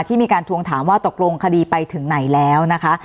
มีการทวงถามว่าตกลงคดีไปถึงไหนแล้วนะคะ